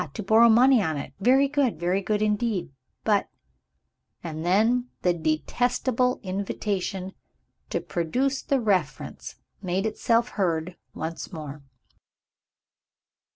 To borrow money on it. Very good, very good indeed; but and then the detestable invitation to produce the reference made itself heard once more.